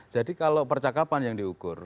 jadi kalau percakapan yang diukur